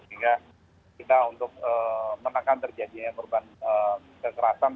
sehingga kita untuk menekan terjadinya korban kekerasan